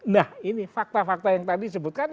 nah ini fakta fakta yang tadi disebutkan